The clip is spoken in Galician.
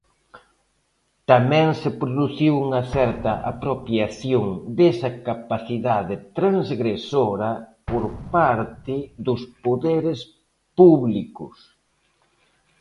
Tamén se produciu unha certa apropiación desa capacidade transgresora por parte dos poderes públicos.